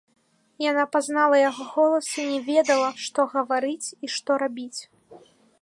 Яна пазнала яго голас і не ведала, што гаварыць і што рабіць.